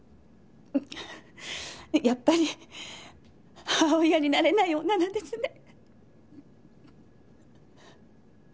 やっぱり母親になれない女なんですね。